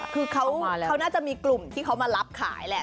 คือเขาน่าจะมีกลุ่มที่เขามารับขายแหละ